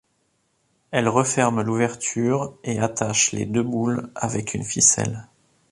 Elles referment l'ouverture et attachent les deux boules avec une ficelle.